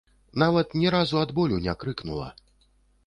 Нават ні разу ад болю не крыкнула.